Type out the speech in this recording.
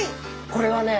これはね